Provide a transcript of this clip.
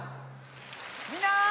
みんな！